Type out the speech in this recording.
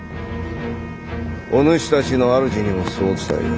お主たちの主にもそう伝えよ。